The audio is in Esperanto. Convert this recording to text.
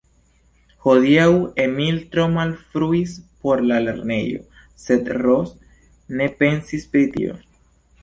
Hodiaŭ Emil tro malfruis por la lernejo, sed Ros ne pensis pri tio.